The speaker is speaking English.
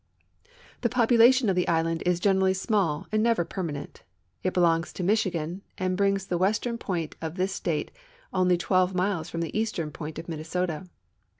The poi)ulation of the island is gi n erally small and never permanent. It belongs to Michigan ami brings the western point of this state only 12 miles from the eastern point of Minnesota.